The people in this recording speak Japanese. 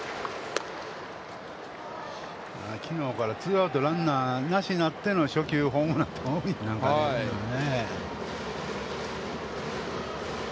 きのうからツーアウト、ランナーなしになっての初球ホームランがなんか多いね。